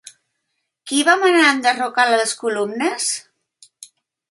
Qui va manar enderrocar les columnes?